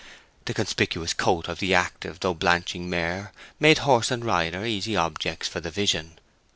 The conspicuous coat of the active though blanching mare made horse and rider easy objects for the vision.